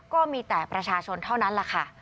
ก็มีแต่ประชาชนเท่านั้นแหละค่ะ